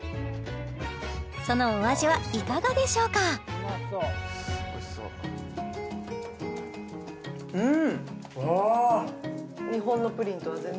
そのお味はいかがでしょうかうん！